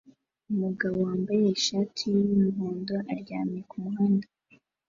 umugabo wambaye ishati yumuhondo aryamye kumuhanda